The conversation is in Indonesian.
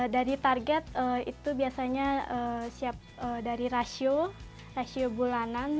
dari target itu biasanya dari rasio bulanan